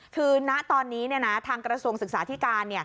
คือณตอนนี้ทางกระทรวงศึกษาธิการ